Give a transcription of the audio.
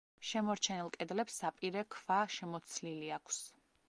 შემორჩენილ კედლებს საპირე ქვა შემოცლილი აქვს.